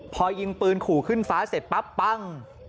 พอยิงปืนขู่ขึ้นฟ้าเสร็จปั๊บปั้ง